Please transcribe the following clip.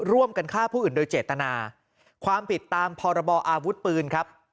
ร่วมกันฆ่าผู้อื่นโดยเจตนาความผิดตามพรบออาวุธปืนครับ